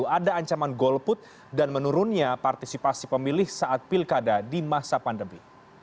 ada ancaman golput dan menurunnya partisipasi pemilih saat pilkada di masa pandemi